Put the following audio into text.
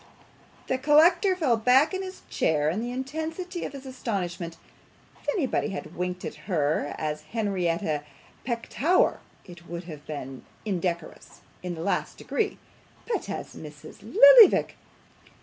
The collector fell back in his chair in the intensity of his astonishment. If anybody had winked at her as Henrietta Petowker, it would have been indecorous in the last degree; but as Mrs. Lillyvick!